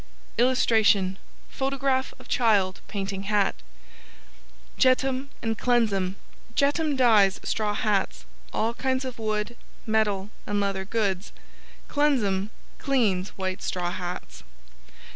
[Illustration: Photograph of child painting hat.] JETUM & KLENZUM JETUM dyes straw hats, all kinds of wood, metal and leather goods. KLENZUM cleans white straw hats.